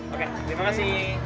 oke terima kasih